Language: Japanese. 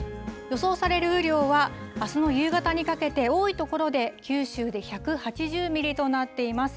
予想される雨量は、あすの夕方にかけて、多い所で九州で１８０ミリとなっています。